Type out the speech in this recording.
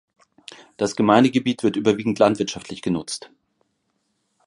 Das Gemeindegebiet wird überwiegend landwirtschaftlich genutzt.